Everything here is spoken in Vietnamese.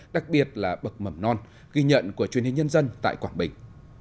đặc biệt là bậc mầm non ghi nhận của truyền hình nhân dân tại quảng bình